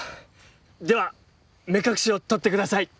では目隠しを取って下さい！